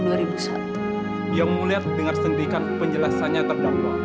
yang mulia mendengar sendirikan penjelasannya terdakwa